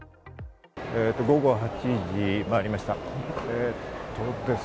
午後８時を回りました。